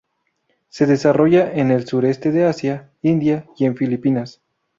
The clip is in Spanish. Se desarrolla en el sureste de Asia, India y en Filipinas.